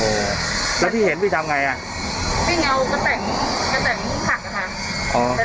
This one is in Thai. โอ้แล้วพี่เห็นพี่ทำไงอ่ะพี่เอากระแต่งกระแต่งผู้ผักค่ะ